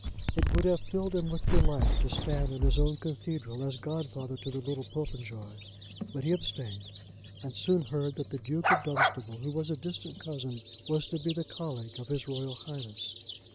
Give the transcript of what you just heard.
It would have filled him with delight to stand in his own cathedral as godfather to the little Popenjoy; but he abstained, and soon heard that the Duke of Dunstable, who was a distant cousin, was to be the colleague of His Royal Highness.